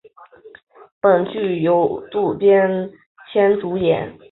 本剧由渡边谦主演。